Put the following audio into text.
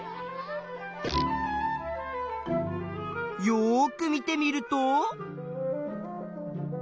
よく見てみると。